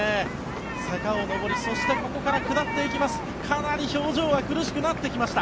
坂を上りそして下っていきます。